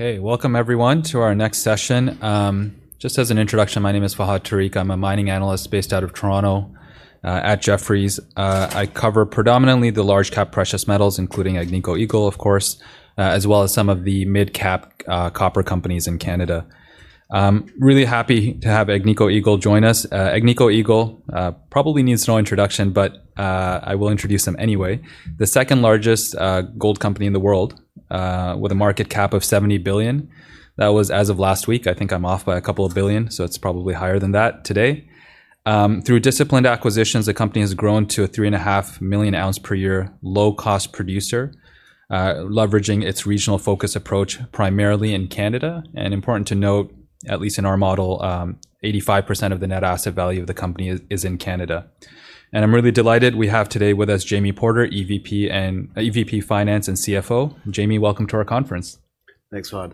Okay, welcome everyone to our next session. Just as an introduction, my name is Fahad Tariq. I'm a mining analyst based out of Toronto, at Jefferies. I cover predominantly the large cap precious metals, including Agnico Eagle, of course, as well as some of the mid cap, copper companies in Canada. I'm really happy to have Agnico Eagle join us. Agnico Eagle, probably needs no introduction, but, I will introduce them anyway. The second largest, gold company in the world, with a market cap of 70 billion. That was as of last week. I think I'm off by a couple of billion, so it's probably higher than that today. Through disciplined acquisitions, the company has grown to a 3.5 million ounce per year low-cost producer, leveraging its regional focus approach primarily in Canada. Important to note, at least in our model, 85% of the net asset value of the company is in Canada. I'm really delighted. We have today with us Jamie Porter, EVP Finance and CFO. Jamie, welcome to our conference. Thanks, Fahad.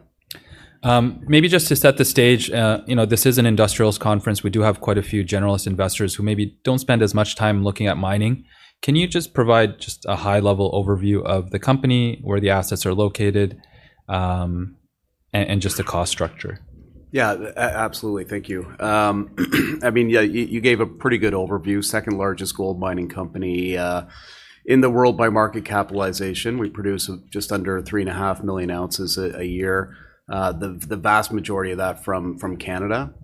Maybe just to set the stage, you know, this is an industrials conference. We do have quite a few generalist investors who maybe don't spend as much time looking at mining. Can you just provide just a high-level overview of the company, where the assets are located, and just the cost structure? Yeah, absolutely. Thank you. I mean, yeah, you gave a pretty good overview. Second largest gold mining company in the world by market capitalization. We produce just under three-and-a-half million ounces a year. The vast majority of that from Canada.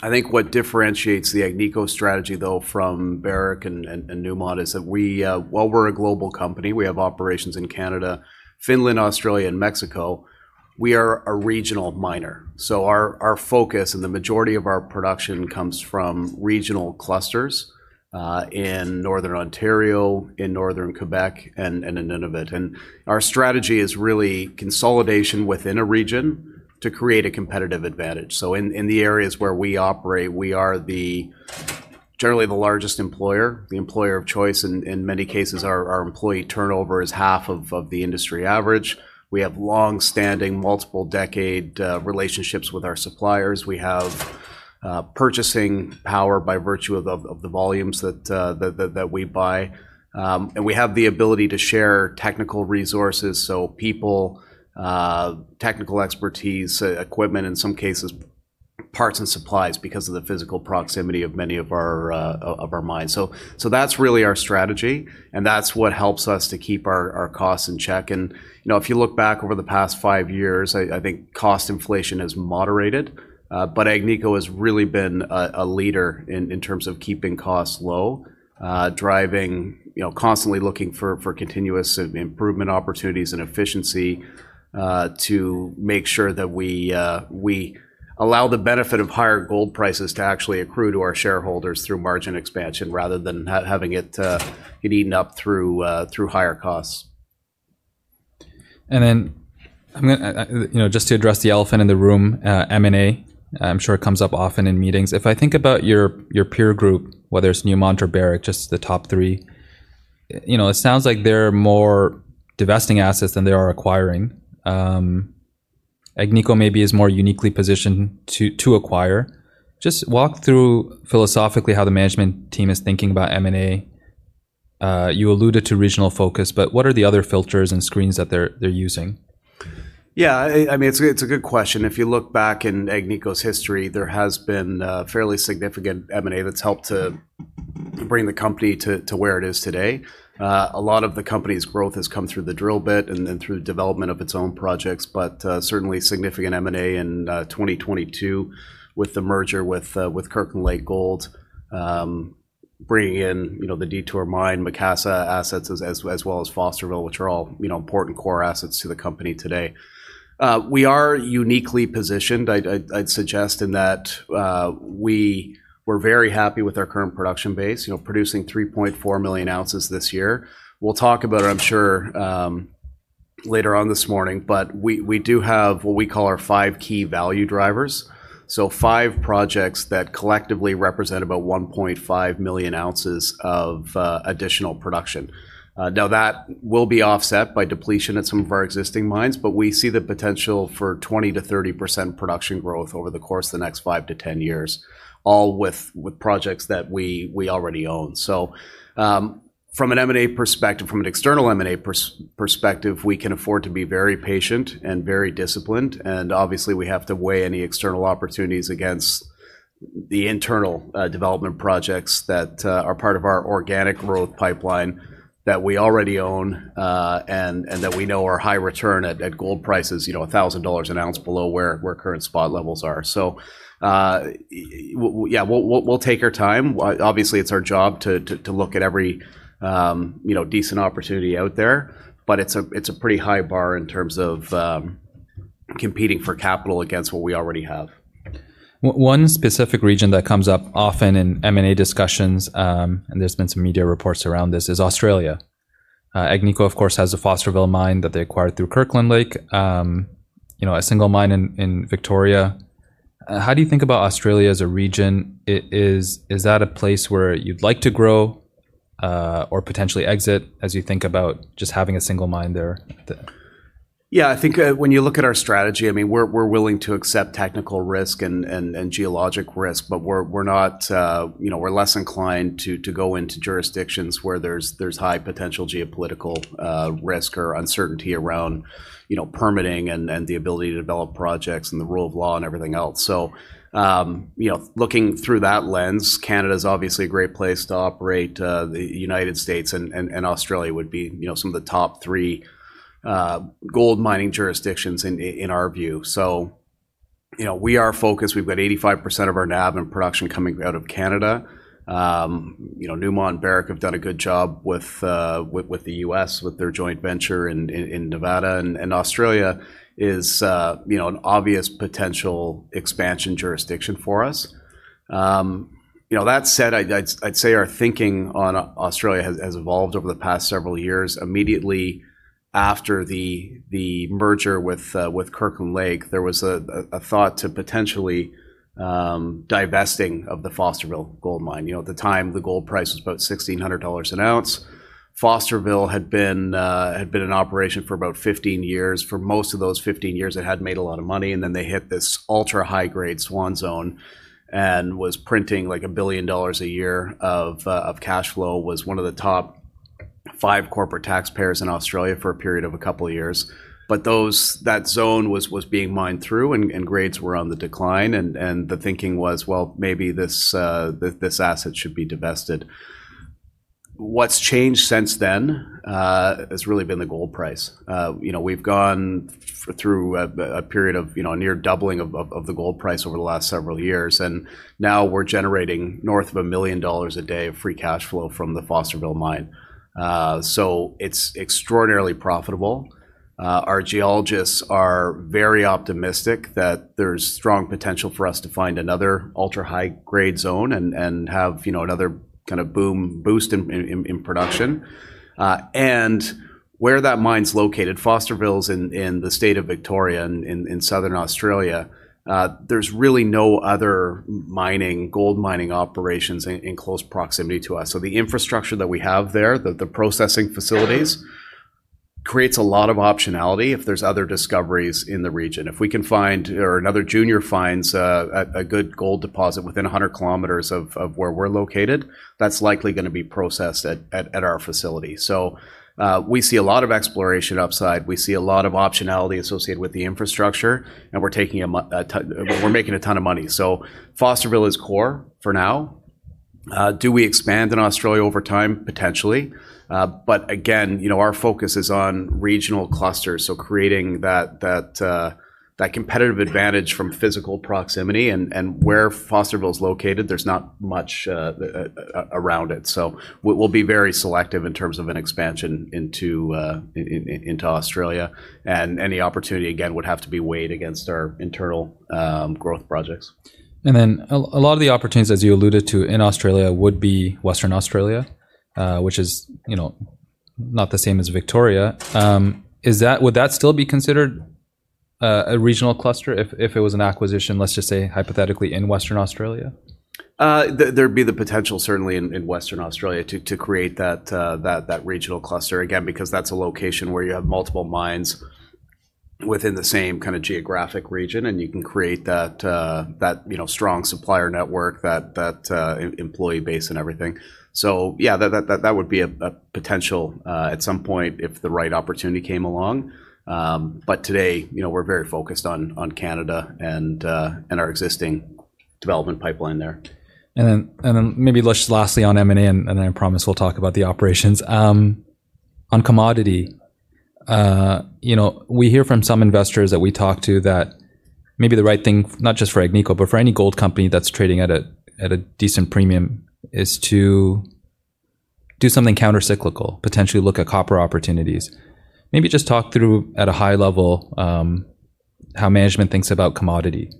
I think what differentiates the Agnico strategy, though, from Barrick and Newmont, is that we, while we're a global company, we have operations in Canada, Finland, Australia, and Mexico, we are a regional miner. So our focus and the majority of our production comes from regional clusters in Northern Ontario, in Northern Quebec, and in Nunavut. Our strategy is really consolidation within a region to create a competitive advantage. So in the areas where we operate, we are generally the largest employer, the employer of choice. In many cases, our employee turnover is half of the industry average. We have long-standing, multiple decade relationships with our suppliers. We have purchasing power by virtue of the volumes that we buy. And we have the ability to share technical resources, so people, technical expertise, equipment, in some cases, parts and supplies because of the physical proximity of many of our mines. So that's really our strategy, and that's what helps us to keep our costs in check. And, you know, if you look back over the past five years, I think cost inflation has moderated. But Agnico has really been a leader in terms of keeping costs low, driving, you know, constantly looking for continuous improvement opportunities and efficiency, to make sure that we allow the benefit of higher gold prices to actually accrue to our shareholders through margin expansion, rather than having it eaten up through higher costs. And then, I mean, you know, just to address the elephant in the room, M&A, I'm sure it comes up often in meetings. If I think about your peer group, whether it's Newmont or Barrick, just the top three, you know, it sounds like they're more divesting assets than they are acquiring. Agnico maybe is more uniquely positioned to acquire. Just walk through philosophically how the management team is thinking about M&A. You alluded to regional focus, but what are the other filters and screens that they're using? Yeah, I mean, it's a good question. If you look back in Agnico's history, there has been a fairly significant M&A that's helped to bring the company to where it is today. A lot of the company's growth has come through the drill bit, and then through development of its own projects, but certainly significant M&A in 2022 with the merger with Kirkland Lake Gold. Bringing in, you know, the Detour Lake Mine, Macassa assets, as well as Fosterville, which are all, you know, important core assets to the company today. We are uniquely positioned. I'd suggest in that we are very happy with our current production base, you know, producing 3.4 million ounces this year. We'll talk about it, I'm sure, later on this morning, but we do have what we call our five key value drivers, so five projects that collectively represent about 1.5 million ounces of additional production. Now, that will be offset by depletion at some of our existing mines, but we see the potential for 20%-30% production growth over the course of the next five to 10 years, all with projects that we already own. From an M&A perspective, from an external M&A perspective, we can afford to be very patient and very disciplined, and obviously, we have to weigh any external opportunities against the internal development projects that are part of our organic growth pipeline, that we already own, and that we know are high return at gold prices, you know, 1,000 dollars an ounce below where current spot levels are. So, yeah, we'll take our time. Obviously, it's our job to look at every, you know, decent opportunity out there, but it's a pretty high bar in terms of competing for capital against what we already have. One specific region that comes up often in M&A discussions, and there's been some media reports around this, is Australia. Agnico, of course, has a Fosterville mine that they acquired through Kirkland Lake, you know, a single mine in Victoria. How do you think about Australia as a region? Is that a place where you'd like to grow, or potentially exit, as you think about just having a single mine there, the-... Yeah, I think, when you look at our strategy, I mean, we're willing to accept technical risk and geologic risk, but we're not, you know, we're less inclined to go into jurisdictions where there's high potential geopolitical risk or uncertainty around, you know, permitting and the ability to develop projects and the rule of law and everything else. So, you know, looking through that lens, Canada's obviously a great place to operate. The United States and Australia would be, you know, some of the top three gold mining jurisdictions in our view. So, you know, we are focused. We've got 85% of our NAV in production coming out of Canada. You know, Newmont and Barrick have done a good job with the U.S., with their joint venture in Nevada. Australia is, you know, an obvious potential expansion jurisdiction for us. That said, I'd say our thinking on Australia has evolved over the past several years. Immediately after the merger with Kirkland Lake, there was a thought to potentially divesting of the Fosterville Gold Mine. You know, at the time, the gold price was about 1,600 dollars an ounce. Fosterville had been in operation for about 15 years. For most of those fifteen years, it hadn't made a lot of money, and then they hit this ultra-high grade Swan Zone, and was printing like 1 billion dollars a year of cash flow, was one of the top five corporate taxpayers in Australia for a period of a couple of years. But that zone was being mined through, and grades were on the decline, and the thinking was, well, maybe this asset should be divested. What's changed since then has really been the gold price. You know, we've gone through a period of, you know, a near doubling of the gold price over the last several years, and now we're generating north of 1 million dollars a day of free cash flow from the Fosterville mine. So it's extraordinarily profitable. Our geologists are very optimistic that there's strong potential for us to find another ultra-high grade zone and have, you know, another kind of boom, boost in production. Where that mine's located, Fosterville's in the state of Victoria, in Southern Australia, there's really no other gold mining operations in close proximity to us. So the infrastructure that we have there, the processing facilities, creates a lot of optionality if there's other discoveries in the region. If we can find, or another junior finds a good gold deposit within 100 km of where we're located, that's likely gonna be processed at our facility. So, we see a lot of exploration upside, we see a lot of optionality associated with the infrastructure, and we're making a ton of money. Fosterville is core for now. Do we expand in Australia over time? Potentially. But again, you know, our focus is on regional clusters, so creating that competitive advantage from physical proximity, and where Fosterville's located, there's not much around it. So we'll be very selective in terms of an expansion into Australia, and any opportunity, again, would have to be weighed against our internal growth projects. And then a lot of the opportunities, as you alluded to, in Australia would be Western Australia? Which is, you know, not the same as Victoria. Would that still be considered a regional cluster if it was an acquisition, let's just say, hypothetically, in Western Australia? There'd be the potential, certainly in Western Australia, to create that regional cluster, again, because that's a location where you have multiple mines within the same kinda geographic region, and you can create that you know strong supplier network, that employee base and everything. So yeah, that would be a potential at some point if the right opportunity came along. But today, you know, we're very focused on Canada and our existing development pipeline there. Maybe just lastly on M&A, and I promise we'll talk about the operations. On commodity, you know, we hear from some investors that we talk to that maybe the right thing, not just for Agnico, but for any gold company that's trading at a decent premium, is to do something countercyclical, potentially look at copper opportunities. Maybe just talk through, at a high level, how management thinks about commodity.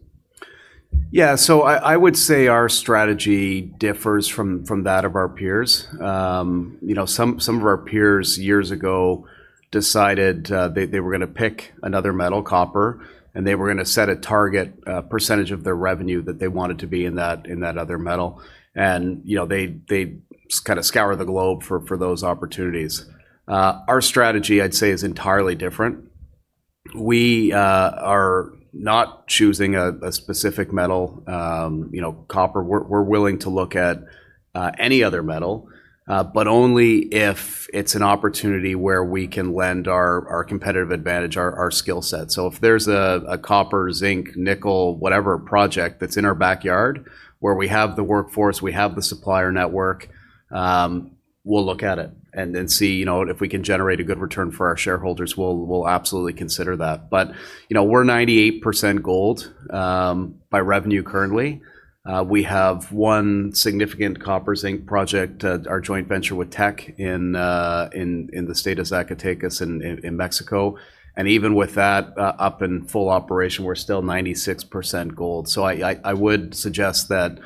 Yeah, so I would say our strategy differs from that of our peers. You know, some of our peers, years ago, decided they were gonna pick another metal, copper, and they were gonna set a target percentage of their revenue that they wanted to be in that other metal. And, you know, they kinda scoured the globe for those opportunities. Our strategy, I'd say, is entirely different. We are not choosing a specific metal, you know, copper. We're willing to look at any other metal, but only if it's an opportunity where we can lend our competitive advantage, our skill set. So if there's a copper, zinc, nickel, whatever project that's in our backyard, where we have the workforce, we have the supplier network, we'll look at it and then see, you know, if we can generate a good return for our shareholders, we'll absolutely consider that. But, you know, we're 98% gold by revenue currently. We have one significant copper zinc project, our joint venture with Teck in the state of Zacatecas in Mexico. And even with that up and full operation, we're still 96% gold. So I would suggest that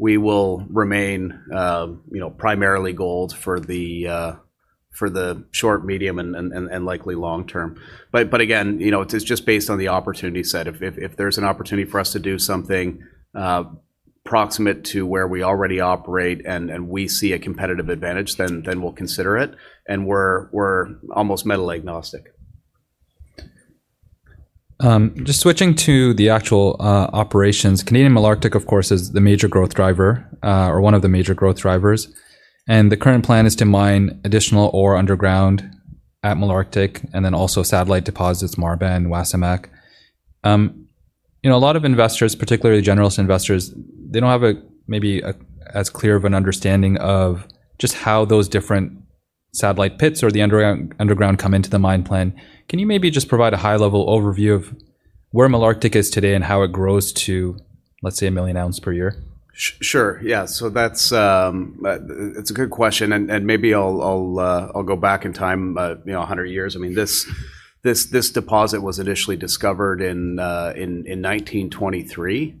we will remain, you know, primarily gold for the short, medium, and likely long-term. But again, you know, it's just based on the opportunity set. If there's an opportunity for us to do something proximate to where we already operate and we see a competitive advantage, then we'll consider it, and we're almost metal agnostic. Just switching to the actual operations, Canadian Malartic, of course, is the major growth driver, or one of the major growth drivers. The current plan is to mine additional ore underground at Malartic, and then also satellite deposits, Marban, Wasamac. You know, a lot of investors, particularly generalist investors, they don't have a, maybe, a as clear of an understanding of just how those different satellite pits or the underground come into the mine plan. Can you maybe just provide a high-level overview of where Malartic is today and how it grows to, let's say, a million ounce per year? Sure, yeah. So that's a good question, and maybe I'll go back in time, you know, a hundred years. I mean, this deposit was initially discovered in 1923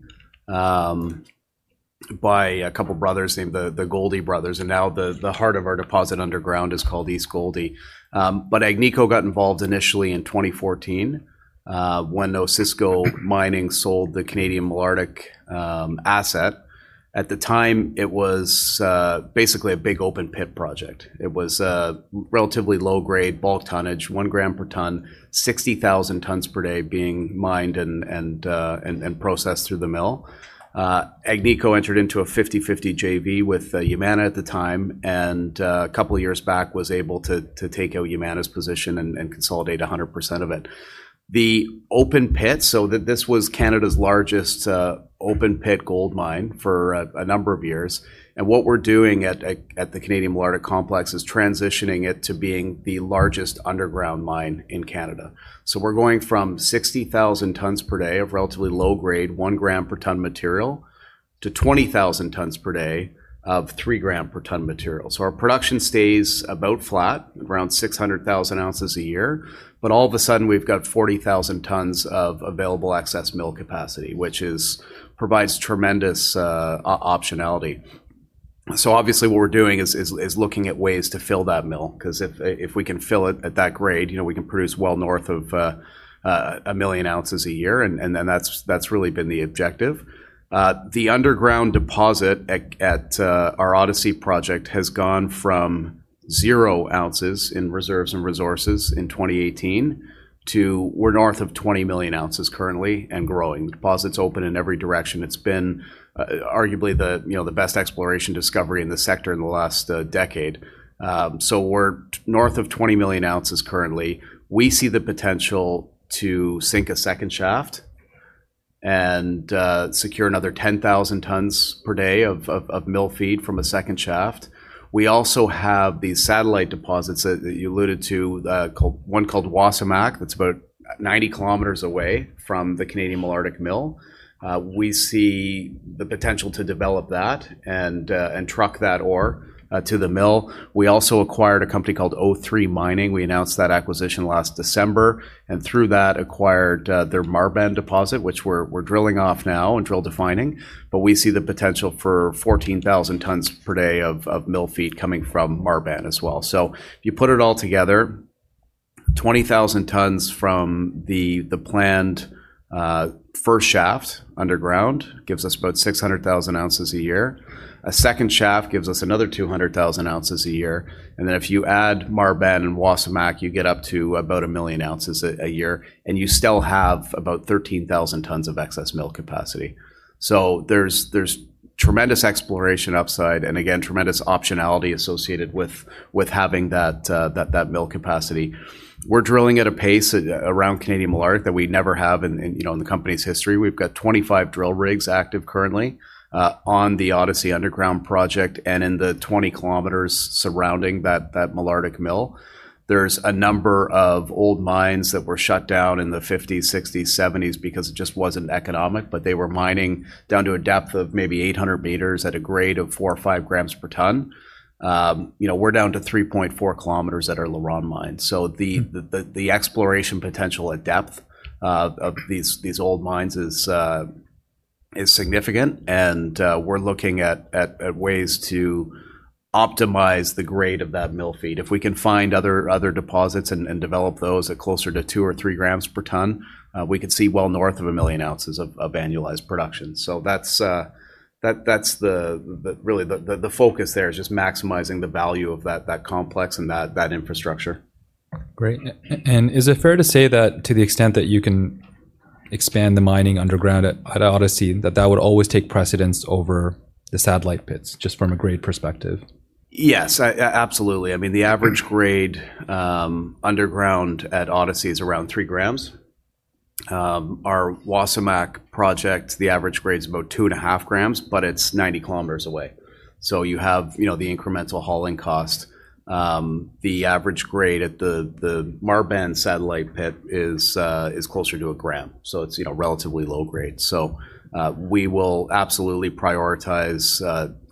by a couple brothers named the Gouldie Brothers, and now the heart of our deposit underground is called East Gouldie. But Agnico got involved initially in 2014 when Osisko Mining sold the Canadian Malartic asset. At the time, it was basically a big open pit project. It was a relatively low grade, bulk tonnage, one gram per ton, 60,000 tons per day being mined and processed through the mill. Agnico entered into a fifty-fifty JV with Yamana at the time, and a couple of years back, was able to take out Yamana's position and consolidate 100% of it. The open pit, so this was Canada's largest open pit gold mine for a number of years, and what we're doing at the Canadian Malartic Complex is transitioning it to being the largest underground mine in Canada. So we're going from 60,000 tons per day of relatively low grade, one gram per ton material, to 20,000 tons per day of three gram per ton material. So our production stays about flat, around 600,000 ounces a year, but all of a sudden, we've got 40,000 tons of available excess mill capacity, which provides tremendous optionality. Obviously, what we're doing is looking at ways to fill that mill, 'cause if we can fill it at that grade, you know, we can produce well north of a million ounces a year, and then that's really been the objective. The underground deposit at our Odyssey project has gone from zero ounces in reserves and resources in 2018 to we're north of 20 million ounces currently and growing. The deposit's open in every direction. It's been arguably the best exploration discovery in the sector in the last decade. We're north of 20 million ounces currently. We see the potential to sink a second shaft and secure another 10,000 tons per day of mill feed from a second shaft. We also have these satellite deposits that you alluded to, called one called Wasamac. That's about 90 km away from the Canadian Malartic mill. We see the potential to develop that and truck that ore to the mill. We also acquired a company called O3 Mining. We announced that acquisition last December, and through that, acquired their Marban deposit, which we're drilling off now and drill defining. But we see the potential for 14,000 tons per day of mill feed coming from Marban as well. So you put it all together, 20,000 tons from the planned first shaft underground, gives us about 600,000 ounces a year. A second shaft gives us another 200,000 ounces a year. Then if you add Marban and Wasamac, you get up to about 1 million ounces a year, and you still have about 13,000 tons of excess mill capacity. So there's tremendous exploration upside and again, tremendous optionality associated with having that mill capacity. We're drilling at a pace around Canadian Malartic that we never have, you know, in the company's history. We've got 25 drill rigs active currently on the Odyssey Underground project and in the 20 kilometers surrounding that Malartic mill. There's a number of old mines that were shut down in the 1950s, 1960s, 1970s because it just wasn't economic, but they were mining down to a depth of maybe 800 meters at a grade of 4 or 5 grams per ton. You know, we're down to 3.4 kilometers at our LaRonde mine. So the exploration potential at depth of these old mines is significant, and we're looking at ways to optimize the grade of that mill feed. If we can find other deposits and develop those at closer to two or three grams per ton, we could see well north of a million ounces of annualized production. So that's the focus there is just maximizing the value of that complex and that infrastructure. Great. And is it fair to say that to the extent that you can expand the mining underground at Odyssey, that would always take precedence over the satellite pits, just from a grade perspective? Yes, I absolutely. I mean, the average grade underground at Odyssey is around three grams. Our Wasamac project, the average grade is about two and a half grams, but it's 90 km away. So you have, you know, the incremental hauling cost. The average grade at the Marban satellite pit is closer to a gram, so it's, you know, relatively low grade. So we will absolutely prioritize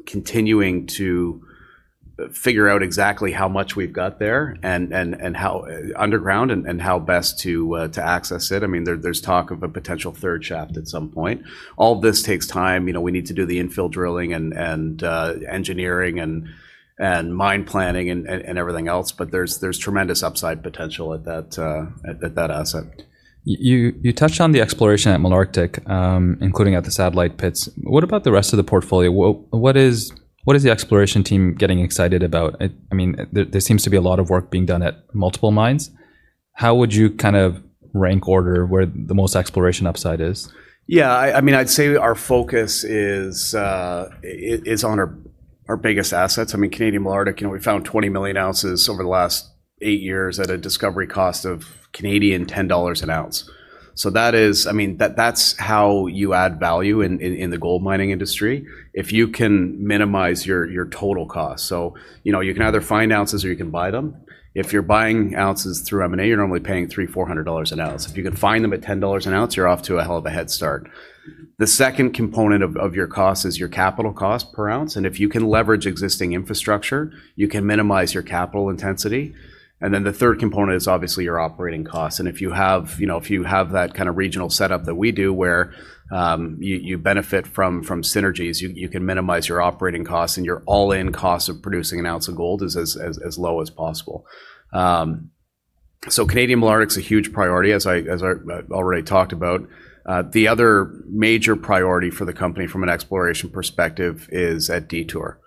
continuing to figure out exactly how much we've got there, and how underground, and how best to access it. I mean, there's talk of a potential third shaft at some point. All this takes time. You know, we need to do the infill drilling and engineering and mine planning and everything else, but there's tremendous upside potential at that asset. You, you touched on the exploration at Malartic, including at the satellite pits. What about the rest of the portfolio? What is the exploration team getting excited about? I mean, there seems to be a lot of work being done at multiple mines. How would you kind of rank order where the most exploration upside is? Yeah, I mean, I'd say our focus is on our biggest assets. I mean, Canadian Malartic, you know, we found 20 million ounces over the last eight years at a discovery cost of 10 Canadian dollars an ounce. So that is, I mean, that's how you add value in the gold mining industry, if you can minimize your total cost. So, you know, you can either find ounces or you can buy them. If you're buying ounces through M&A, you're normally paying 300-400 dollars an ounce. If you can find them at 10 dollars an ounce, you're off to a hell of a head start. The second component of your cost is your capital cost per ounce, and if you can leverage existing infrastructure, you can minimize your capital intensity. Then the third component is obviously your operating costs. If you have, you know, if you have that kind of regional setup that we do, where you benefit from synergies, you can minimize your operating costs, and your all-in cost of producing an ounce of gold is as low as possible. Canadian Malartic's a huge priority, as I already talked about. The other major priority for the company from an exploration perspective is at Detour.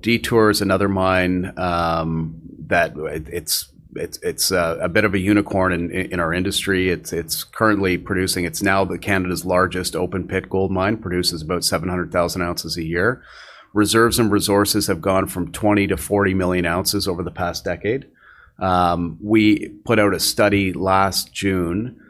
Detour is another mine that it's a bit of a unicorn in our industry. It's currently producing. It's now Canada's largest open-pit gold mine, produces about 700,000 ounces a year. Reserves and resources have gone from 20-40 million ounces over the past decade. We put out a study last June,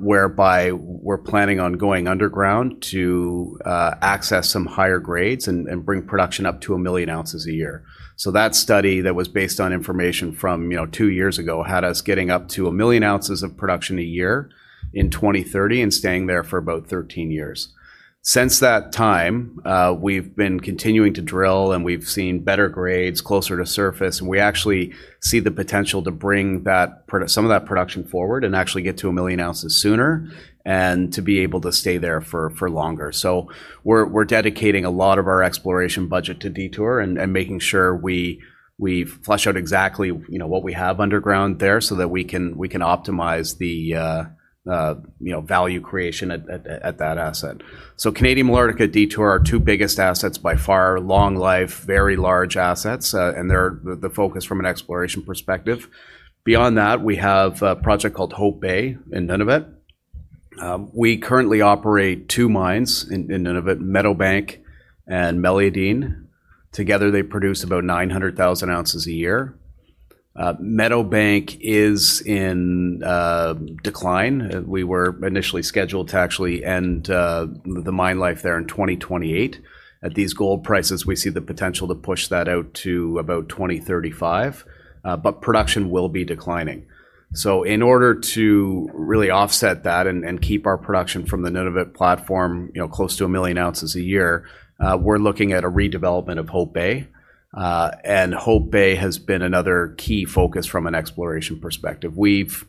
whereby we're planning on going underground to access some higher grades and bring production up to a million ounces a year. So that study that was based on information from, you know, two years ago, had us getting up to a million ounces of production a year in 2030 and staying there for about 13 years. Since that time, we've been continuing to drill, and we've seen better grades closer to surface, and we actually see the potential to bring that some of that production forward and actually get to a million ounces sooner, and to be able to stay there for longer. We're dedicating a lot of our exploration budget to Detour and making sure we flesh out exactly, you know, what we have underground there so that we can optimize the, you know, value creation at that asset. Canadian Malartic and Detour are our two biggest assets by far, long life, very large assets, and they're the focus from an exploration perspective. Beyond that, we have a project called Hope Bay in Nunavut. We currently operate two mines in Nunavut, Meadowbank and Meliadine. Together, they produce about 900,000 ounces a year. Meadowbank is in decline. We were initially scheduled to actually end the mine life there in 2028. At these gold prices, we see the potential to push that out to about 2035, but production will be declining. So in order to really offset that and keep our production from the Nunavut platform, you know, close to a million ounces a year, we're looking at a redevelopment of Hope Bay. And Hope Bay has been another key focus from an exploration perspective. We've,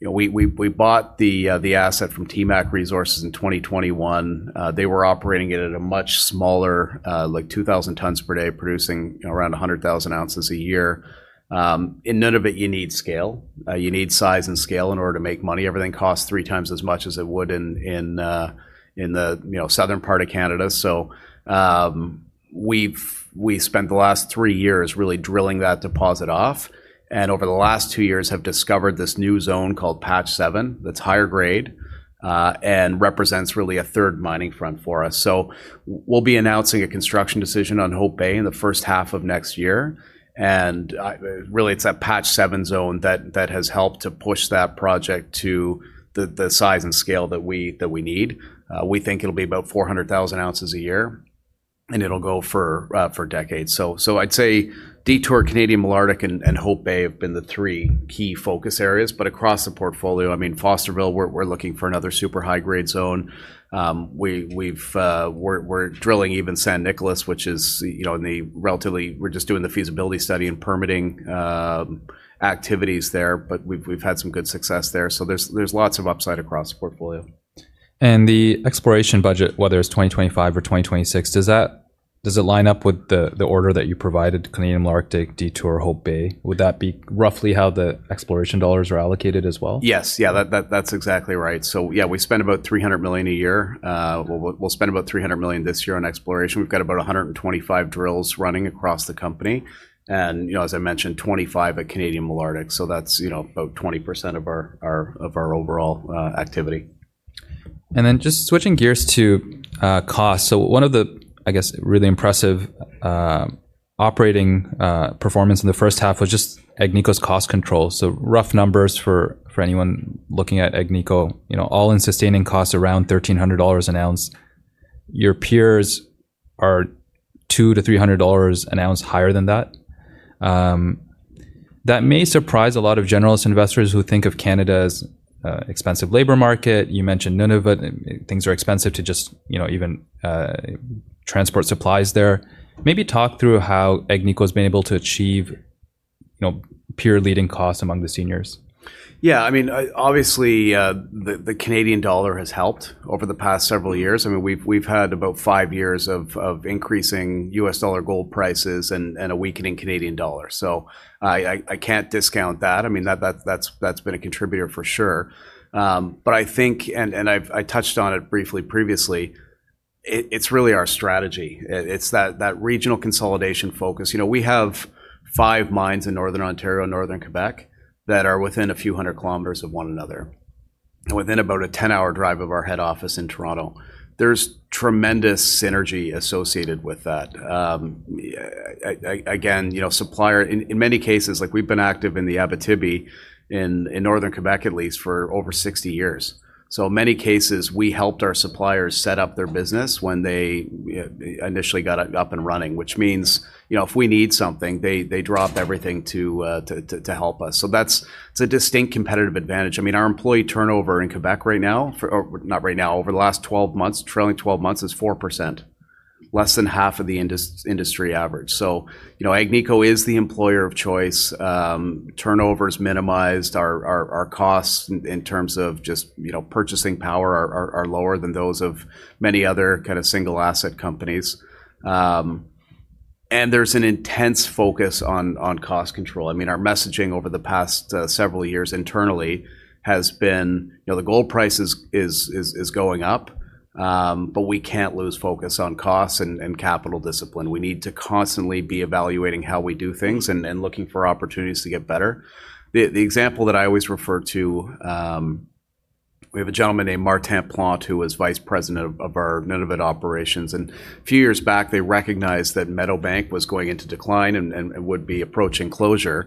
you know, bought the asset from TMAC Resources in 2021. They were operating it at a much smaller, like 2,000 tons per day, producing around 100,000 ounces a year. In Nunavut, you need scale. You need size and scale in order to make money. Everything costs three times as much as it would in the, you know, southern part of Canada. So, we've spent the last three years really drilling that deposit off, and over the last two years have discovered this new zone called Patch 7, that's higher grade, and represents really a third mining front for us. So we'll be announcing a construction decision on Hope Bay in the first half of next year. And, really, it's that Patch 7 zone that has helped to push that project to the size and scale that we need. We think it'll be about 400,000 ounces a year, and it'll go for decades. So I'd say Detour, Canadian Malartic, and Hope Bay have been the three key focus areas. But across the portfolio, I mean, Fosterville, we're looking for another super high-grade zone. We've... We're drilling even San Nicolás, which is, you know, in the relatively- we're just doing the feasibility study and permitting activities there, but we've had some good success there. So there's lots of upside across the portfolio. The exploration budget, whether it's 2025 or 2026, does it line up with the order that you provided, Canadian Malartic, Detour, Hope Bay? Would that be roughly how the exploration dollars are allocated as well? Yes. Yeah, that's exactly right. So yeah, we spend about 300 million a year. We'll spend about 300 million this year on exploration. We've got about 125 drills running across the company. And, you know, as I mentioned, 25 at Canadian Malartic, so that's, you know, about 20% of our overall activity. Then just switching gears to cost. One of the, I guess, really impressive operating performance in the first half was just Agnico's cost control. Rough numbers for anyone looking at Agnico, you know, all-in sustaining costs around 1,300 dollars an ounce. Your peers are 200-300 dollars an ounce higher than that. That may surprise a lot of generalist investors who think of Canada's expensive labor market. You mentioned Nunavut, and things are expensive to just, you know, even transport supplies there. Maybe talk through how Agnico's been able to achieve, you know, peer-leading costs among the seniors. Yeah, I mean, obviously, the Canadian dollar has helped over the past several years. I mean, we've had about five years of increasing U.S. dollar gold prices and a weakening Canadian dollar. So I can't discount that. I mean, that's been a contributor for sure. But I think I've touched on it briefly previously. It's really our strategy. It's that regional consolidation focus. You know, we have five mines in Northern Ontario and Northern Quebec that are within a few hundred kilometers of one another, and within about a 10-hour drive of our head office in Toronto. There's tremendous synergy associated with that. Yeah, again, you know, in many cases, like, we've been active in the Abitibi, in Northern Quebec, at least, for over 60 years. so many cases, we helped our suppliers set up their business when they initially got up and running, which means, you know, if we need something, they drop everything to help us. So that's... It's a distinct competitive advantage. I mean, our employee turnover in Quebec right now, or not right now, over the last 12 months, trailing 12 months, is 4%, less than half of the industry average. So, you know, Agnico is the employer of choice. Turnover is minimized. Our costs in terms of just, you know, purchasing power are lower than those of many other kinda single-asset companies. And there's an intense focus on cost control. I mean, our messaging over the past several years internally has been, "You know, the gold price is going up, but we can't lose focus on costs and capital discipline." We need to constantly be evaluating how we do things and looking for opportunities to get better. The example that I always refer to... We have a gentleman named Martin Plante, who was vice president of our Nunavut operations. A few years back, they recognized that Meadowbank was going into decline and would be approaching closure.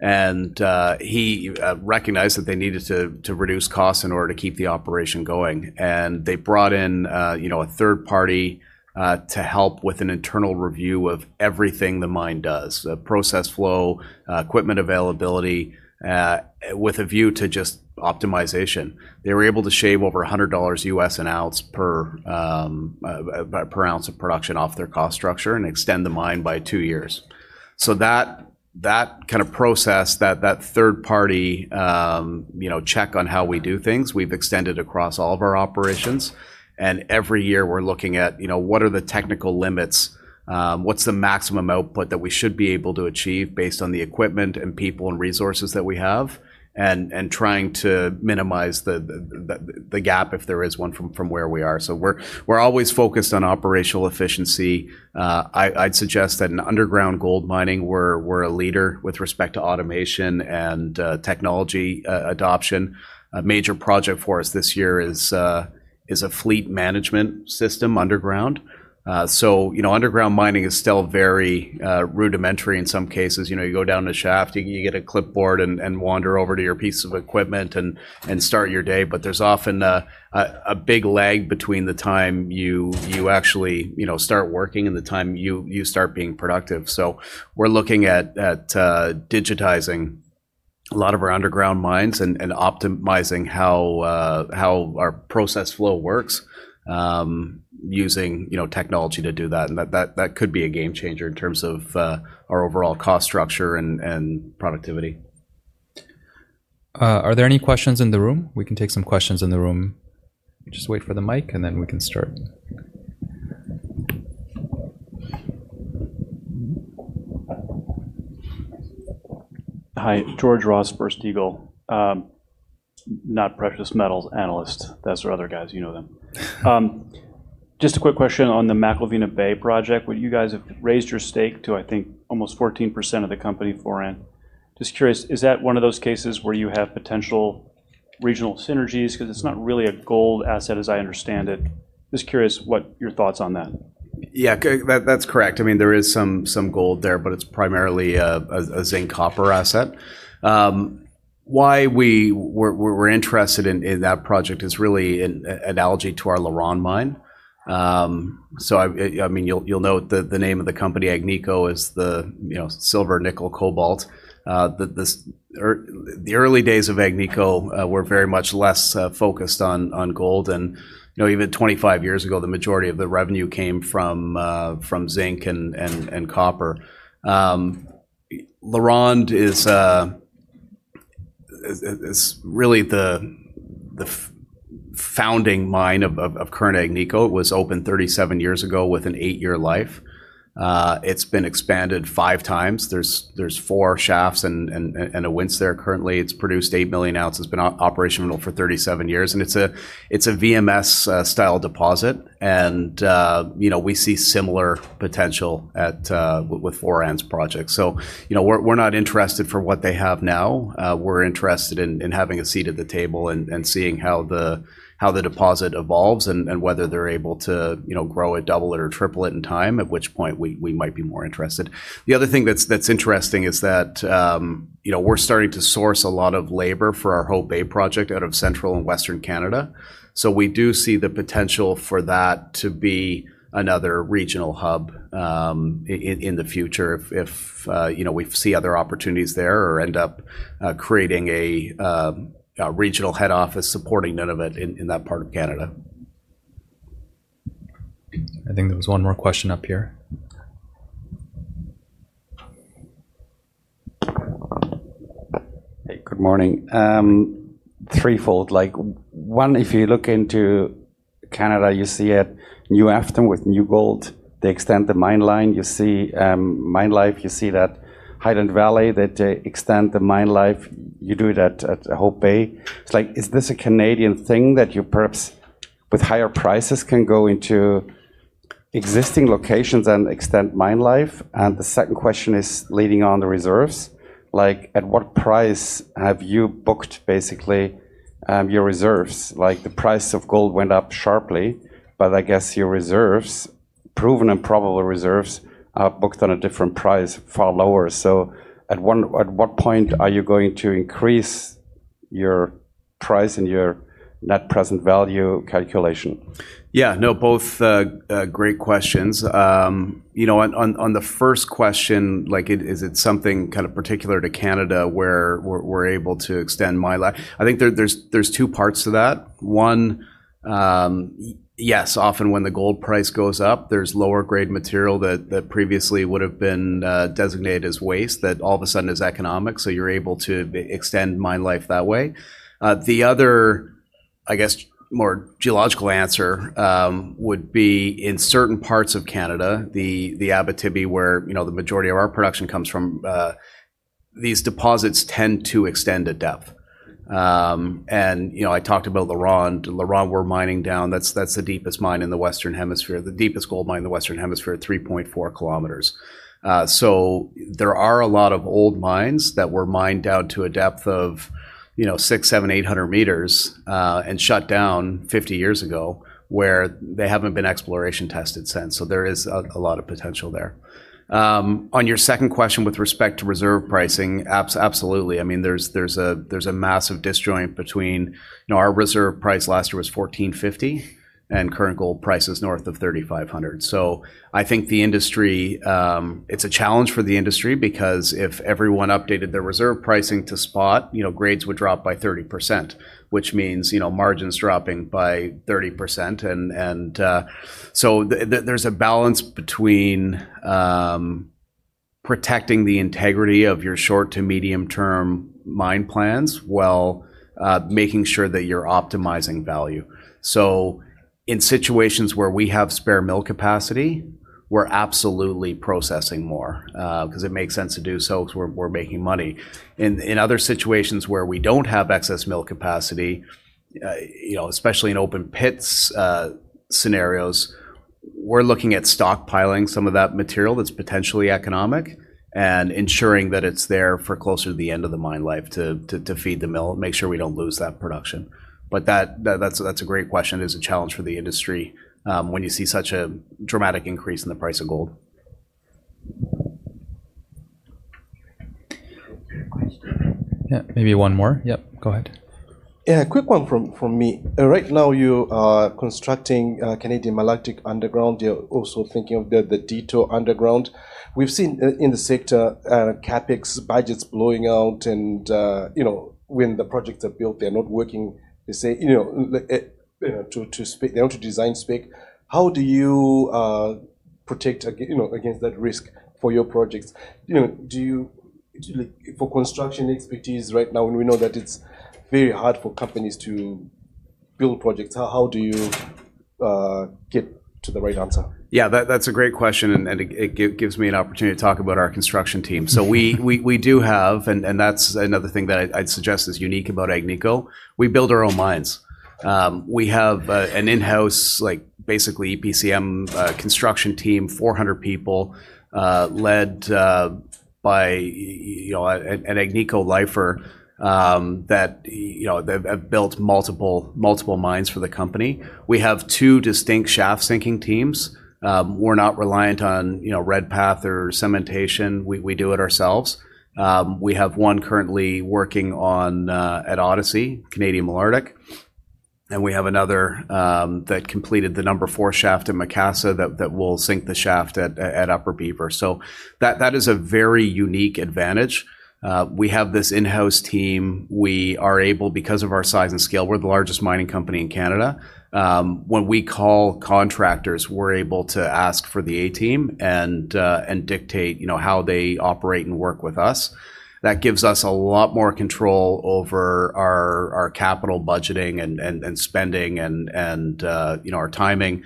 He recognized that they needed to reduce costs in order to keep the operation going. They brought in, you know, a third party to help with an internal review of everything the mine does, the process flow, equipment availability, with a view to just optimization. They were able to shave over $100 an ounce per ounce of production off their cost structure and extend the mine by two years. That kind of process, that third party, you know, check on how we do things, we've extended across all of our operations, and every year we're looking at, you know, what are the technical limits, what's the maximum output that we should be able to achieve based on the equipment and people and resources that we have, and trying to minimize the gap, if there is one, from where we are. So we're always focused on operational efficiency. I'd suggest that in underground gold mining, we're a leader with respect to automation and technology adoption. A major project for us this year is a fleet management system underground. So you know, underground mining is still very rudimentary in some cases. You know, you go down a shaft, and you get a clipboard and wander over to your piece of equipment and start your day, but there's often a big lag between the time you actually you know, start working and the time you start being productive. So we're looking at digitizing a lot of our underground mines and optimizing how our process flow works, using you know, technology to do that. That could be a game changer in terms of our overall cost structure and productivity. Are there any questions in the room? We can take some questions in the room. Just wait for the mic, and then we can start. Hi, George Ross, First Eagle. Not precious metals analyst, that's our other guys, you know them. Just a quick question on the McIlvenna Bay project, where you guys have raised your stake to, I think, almost 14% of the company Foran. Just curious, is that one of those cases where you have potential regional synergies? Because it's not really a gold asset, as I understand it. Just curious what your thoughts on that. Yeah, that, that's correct. I mean, there is some gold there, but it's primarily a zinc copper asset. Why we're interested in that project is really an analogy to our LaRonde mine. So I mean, you'll note that the name of the company, Agnico, is the, you know, silver, nickel, cobalt. The early days of Agnico were very much less focused on gold. And, you know, even 25 years ago, the majority of the revenue came from zinc and copper. LaRonde is really the founding mine of current Agnico. It was opened 37 years ago with an eight-year life. It's been expanded five times. There's four shafts and a winze currently. It's produced eight million ounces. It's been operational for 37 years, and it's a VMS style deposit, and you know, we see similar potential with Foran's project, so you know, we're not interested for what they have now. We're interested in having a seat at the table and seeing how the deposit evolves, and whether they're able to, you know, grow it, double it, or triple it in time, at which point we might be more interested. The other thing that's interesting is that, you know, we're starting to source a lot of labor for our Hope Bay Project out of Central and Western Canada. So we do see the potential for that to be another regional hub in the future, if you know, we see other opportunities there or end up creating a regional head office supporting Nunavut in that part of Canada. I think there was one more question up here. Good morning. Threefold, like, one, if you look into Canada, you see at New Afton with New Gold, they extend the mine life. You see, mine life, you see that Highland Valley, that they extend the mine life. You do that at Hope Bay. It's like, is this a Canadian thing that you perhaps, with higher prices, can go into existing locations and extend mine life? And the second question is regarding the reserves, like, at what price have you booked, basically, your reserves? Like, the price of gold went up sharply, but I guess your reserves, proven and probable reserves, are booked on a different price, far lower. So at what point are you going to increase your price and your net present value calculation? Yeah, no, both, great questions. You know, on the first question, like, it is it something kind of particular to Canada where we're able to extend mine life. I think there's two parts to that. One, yes, often when the gold price goes up, there's lower grade material that previously would've been designated as waste that all of a sudden is economic, so you're able to extend mine life that way. The other, I guess, more geological answer, would be in certain parts of Canada, the Abitibi, where, you know, the majority of our production comes from, these deposits tend to extend to depth. And, you know, I talked about LaRonde. LaRonde, we're mining down. That's the deepest mine in the Western Hemisphere, the deepest gold mine in the Western Hemisphere, 3.4 kilometers. So there are a lot of old mines that were mined down to a depth of, you know, 600-800 meters, and shut down fifty years ago, where they haven't been exploration tested since. So there is a lot of potential there. On your second question, with respect to reserve pricing, absolutely. I mean, there's a massive disjoint between... You know, our reserve price last year was 1,450, and current gold price is north of 3,500. I think the industry, it's a challenge for the industry, because if everyone updated their reserve pricing to spot, you know, grades would drop by 30%, which means, you know, margins dropping by 30%. So there's a balance between protecting the integrity of your short- to medium-term mine plans, while making sure that you're optimizing value. So in situations where we have spare mill capacity, we're absolutely processing more, 'cause it makes sense to do so, 'cause we're making money. In other situations where we don't have excess mill capacity, you know, especially in open pits scenarios, we're looking at stockpiling some of that material that's potentially economic and ensuring that it's there for closer to the end of the mine life, to feed the mill, make sure we don't lose that production. That's a great question. It is a challenge for the industry when you see such a dramatic increase in the price of gold. Yeah. Maybe one more? Yep, go ahead. Yeah, a quick one from me. Right now you are constructing Canadian Malartic Underground. You're also thinking of the Detour Underground. We've seen in the sector CapEx budgets blowing out, and you know, when the projects are built, they're not working, they say. You know, to spec, they want to design spec. How do you protect against that risk for your projects? You know, do you, like, for construction expertise right now, when we know that it's very hard for companies to build projects, how do you get to the right answer? Yeah, that's a great question, and it gives me an opportunity to talk about our construction team. So we do have. That's another thing that I'd suggest is unique about Agnico. We build our own mines. We have an in-house, like, basically EPCM construction team, 400 people, led by you know, an Agnico lifer, that you know, they have built multiple mines for the company. We have two distinct shaft-sinking teams. We're not reliant on, you know, Redpath or Cementation. We do it ourselves. We have one currently working at Odyssey, Canadian Malartic, and we have another that completed the number four shaft in Macassa that will sink the shaft at Upper Beaver. So that is a very unique advantage. We have this in-house team. We are able, because of our size and scale, we're the largest mining company in Canada, when we call contractors, we're able to ask for the A team and dictate, you know, how they operate and work with us. That gives us a lot more control over our capital budgeting and spending and, you know, our timing.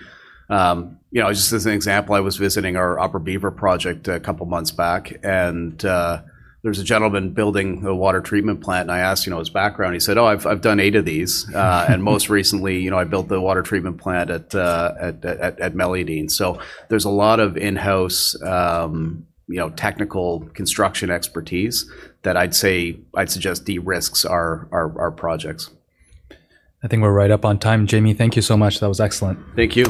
You know, just as an example, I was visiting our Upper Beaver Project a couple months back, and there was a gentleman building the water treatment plant, and I asked, you know, his background. He said, "Oh, I've done eight of these. And most recently, you know, I built the water treatment plant at Meliadine." So there's a lot of in-house, you know, technical construction expertise that I'd say, I'd suggest, de-risks our projects. I think we're right up on time. Jamie, thank you so much. That was excellent. Thank you.